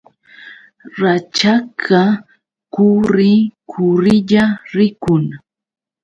Rachakqa kuurri kurrilla rikun.